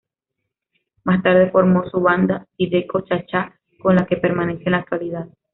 Más tarde formó su banda, "Zydeco Cha-Cha", con la que permanece en la actualidad.